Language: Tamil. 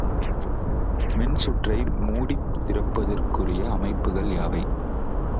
மின்சுற்றை மூடித்திறப்பதற்குரிய அமைப்புகள் யாவை?